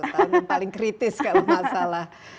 tahun yang paling kritis kalau masalah